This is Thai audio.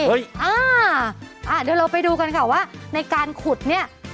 เดี๋ยวเราไปดูกันค่ะว่าในการขุดเนี่ย